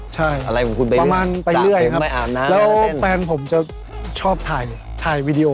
ใช่ประมาณไปเรื่อยครับแล้วแฟนผมจะชอบถ่ายถ่ายวิดีโอ